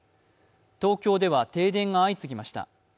東京では停電が相次ぎました。